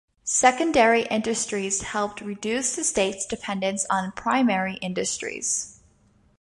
Secondary industries helped reduce the state's dependence on primary industries.